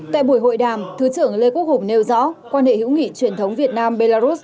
tại buổi hội đàm thứ trưởng lê quốc hùng nêu rõ quan hệ hữu nghị truyền thống việt nam belarus